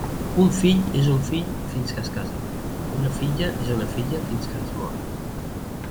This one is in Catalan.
Un fill és un fill fins que es casa; una filla és una filla fins que es mor.